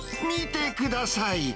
見てください。